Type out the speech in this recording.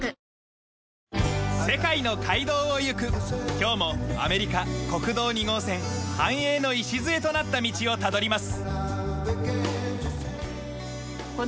今日もアメリカ国道２号線・繁栄の礎となった道をたどります。